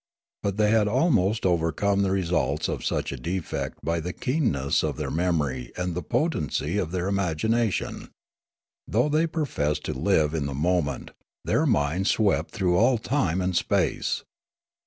But they had almost overcome the results of such a defect b)^ the keenness of their memory and the potency of their imagination. Though the}^ professed to live in the moment, their minds swept through all time and space.